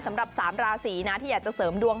สำหรับ๓ราศีนะที่อยากจะเสริมดวง